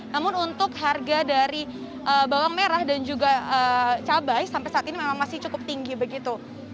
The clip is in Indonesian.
namun untuk harga dari bawang merah dan juga cabai sampai saat ini memang masih cukup tinggi begitu